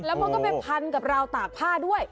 แล้วมันก็ไปพันกับราวตากผ้าด้วย